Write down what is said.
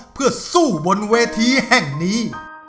เพื่อสู้บนเวทีแห่งนี้